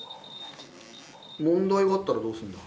問題があったらどうするんだ。